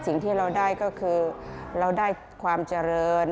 สิ่งที่เราได้ก็คือเราได้ความเจริญ